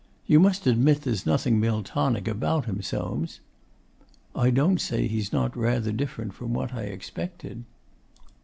'You must admit there's nothing Miltonic about him, Soames.' 'I don't say he's not rather different from what I expected.